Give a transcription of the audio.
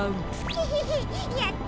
ヘヘヘやった！